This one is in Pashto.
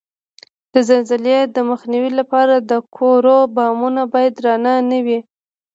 د زلزلې د مخنیوي لپاره د کورو بامونه باید درانه نه وي؟